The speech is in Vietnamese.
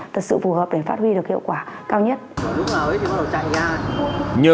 thì chúng tôi xây dựng làm sao cho nó thật sự phù hợp để phát huy được hiệu quả cao nhất